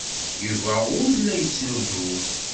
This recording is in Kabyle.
Yuba ur la yettnuddum.